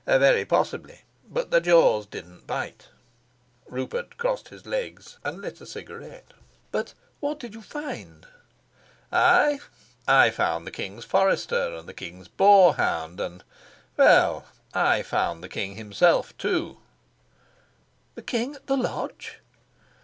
"Very possibly, but the jaws didn't bite." Rupert crossed his legs and lit a cigarette. "But what did you find?" "I? I found the king's forester, and the king's boar hound, and well, I found the king himself, too." "The king at the lodge?"